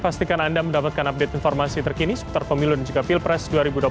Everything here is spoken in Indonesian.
pastikan anda mendapatkan update informasi terkini seputar pemilu dan juga pilpres dua ribu dua puluh empat